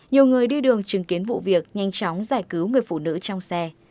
nhiều người đi đường chứng kiến vụ việc nhanh chóng giải cứu người phụ nữ trong xe